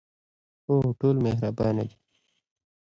هو، ټول مهربانه دي